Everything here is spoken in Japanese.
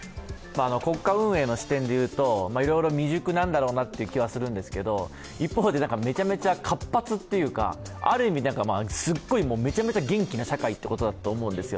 国家運営の視点でいうといろいろ未熟なんだろうなという気はするんですけれども、一方でめちゃめちゃ活発というか、ある意味、すっごいめちゃめちゃ元気な社会ってことだと思うんですよ。